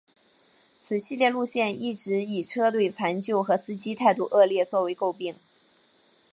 此系列路线一直以车队残旧和司机态度恶劣作为垢病。